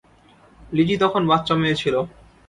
Lessee তখন বাচ্চা মেয়ে ছিলো।